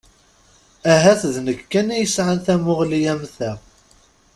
Ahat d nekk kan i yesɛan tamuɣli am ta?